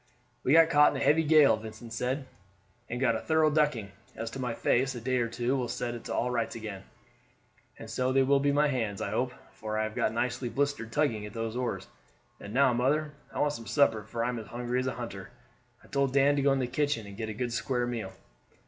"We got caught in a heavy gale," Vincent said, "and got a thorough ducking. As to my face, a day or two will set it all to rights again; and so they will my hands, I hope, for I have got nicely blistered tugging at those oars. And now, mother, I want some supper, for I am as hungry as a hunter. I told Dan to go into the kitchen and get a good square meal."